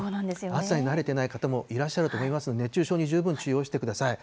暑さに慣れてない方もいらっしゃると思いますので、熱中症に十分注意をしてください。